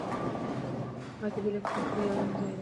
ما ته بې له کومې خبرې یو ارام ځای راکړه.